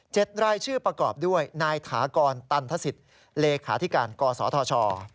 รายชื่อประกอบด้วยนายถากรตันทศิษย์เลขาธิการกศธช